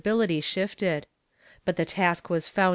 h:iity shifted. Hut the task was l'o;i:i,l l